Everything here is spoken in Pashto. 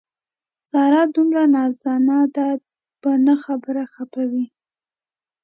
ساره دومره نازدان ده په نه خبره خپه وي.